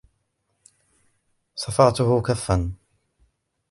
صفعته كفاً.